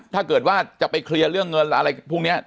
ถ้าเกิดว่าจะไปเคลียร์เรื่องเงินอะไรพวกนี้